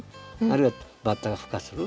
あるいはバッタがふ化する。